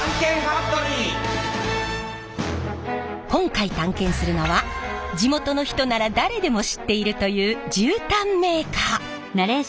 今回探検するのは地元の人なら誰でも知っているという絨毯メーカー。